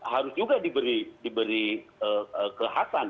harus juga diberi kehatan